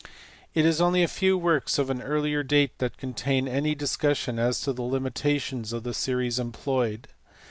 It is only a few works of an earlier date that contain any discussion as to the limitations of the series employed.